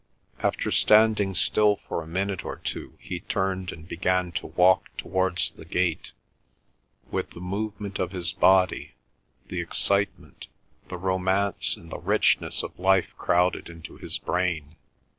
After standing still for a minute or two he turned and began to walk towards the gate. With the movement of his body, the excitement, the romance and the richness of life crowded into his brain.